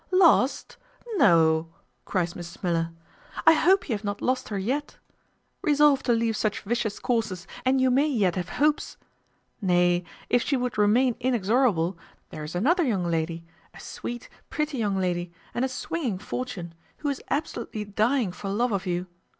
"Lost! no," cries Mrs Miller; "I hope you have not lost her yet. Resolve to leave such vicious courses, and you may yet have hopes, nay, if she would remain inexorable, there is another young lady, a sweet pretty young lady, and a swinging fortune, who is absolutely dying for love of you.